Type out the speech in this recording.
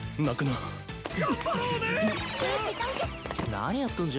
何やっとんじゃ？